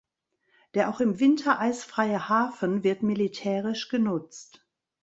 Der auch im Winter eisfreie Hafen wird militärisch genutzt.